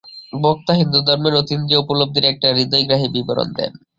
বক্তা হিন্দুধর্মের অতীন্দ্রিয় উপলব্ধির একটি হৃদয়গ্রাহী বিবরণ দেন।